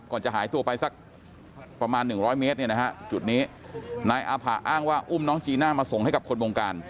จะหายตัวไปสักประมาณ๑๐๐เมตรเนี่ยนะฮะจุดนี้นายอาผะอ้างว่าอุ้มน้องจีน่ามาส่งให้กับคนวงการ